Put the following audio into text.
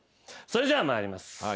それじゃあ参ります。